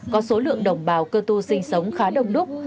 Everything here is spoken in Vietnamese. có số lượng đồng bào cơ tu sinh sống khá đông đúc